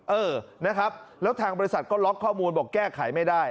เออนะครับแล้วทางบริษัทก็ล็อกข้อมูลบอกแก้ไขไม่ได้